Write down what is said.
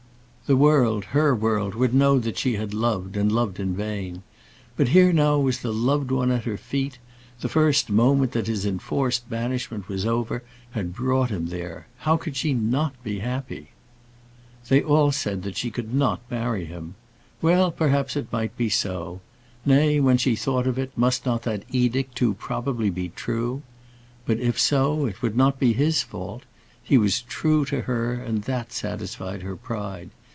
The world, her world, would know that she had loved, and loved in vain. But here now was the loved one at her feet; the first moment that his enforced banishment was over, had brought him there. How could she not be happy? They all said that she could not marry him. Well, perhaps it might be so; nay, when she thought of it, must not that edict too probably be true? But if so, it would not be his fault. He was true to her, and that satisfied her pride.